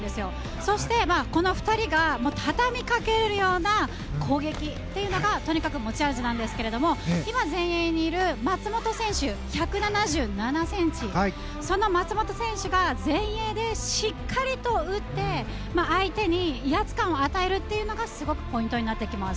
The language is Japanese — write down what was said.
そしてこの２人がたたみかけるような攻撃というのが、とにかく持ち味なんですが前衛にいる松本選手１７７ｃｍ松本選手が前衛でしっかり打って相手に威圧感を与えるというのがすごくポイントになってきます。